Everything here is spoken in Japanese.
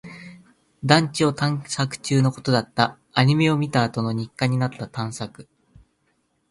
団地を探索中のことだった。アニメを見たあとの日課になった探索。